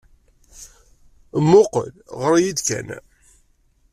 Mmuqqel, ɣer-iyi-d kan.